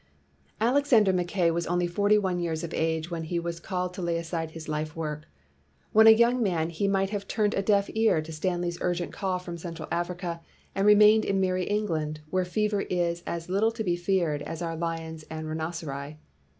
ALEXANDER MACKAY was only forty one years of age when he was called to lay aside his life work. When a young man he might have turned a deaf ear to Stanley's urgent call from Central Africa and remained in merry England, where fever is as little to be feared as are lions and rhinoceri.